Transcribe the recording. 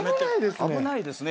危ないですね。